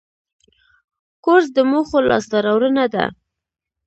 کورس د موخو لاسته راوړنه ده.